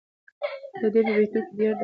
د ده په بیتونو کې د درد او سوز نښې شته.